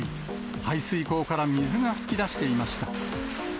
排水溝から水が噴き出していました。